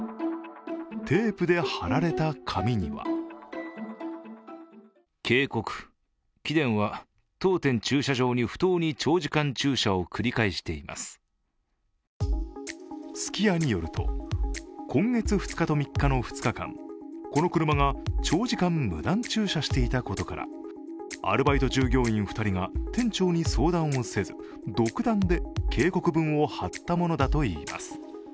テープで貼られた紙にはすき家によると、今月２日と３日の２日間、この車が長時間無断駐車していたことから、アルバイト従業員２人が店長に相談をせず独断で警告文を貼ったものだといいます。